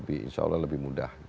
insya allah lebih mudah